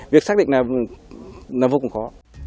việc xác định là vô cùng khó